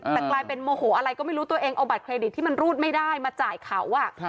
แต่กลายเป็นโมโหอะไรก็ไม่รู้ตัวเองเอาบัตรเครดิตที่มันรูดไม่ได้มาจ่ายเขา